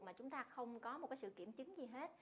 mà chúng ta không có một sự kiểm chứng gì hết